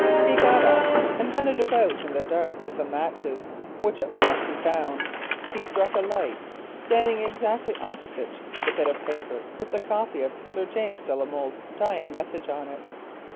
He got up and hunted about in the dark for some matches, which at last he found. He struck a light, standing exactly opposite to the bit of paper with the copy of Sir James de la Molle's dying message on it.